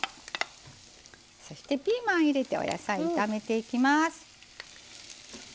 そしてピーマン入れてお野菜炒めていきます。